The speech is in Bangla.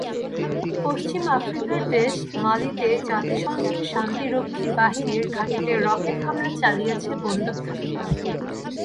পশ্চিম আফ্রিকার দেশ মালিতে জাতিসংঘের শান্তিরক্ষী বাহিনীর ঘাঁটিতে রকেট হামলা চালিয়েছে বন্দুকধারীরা।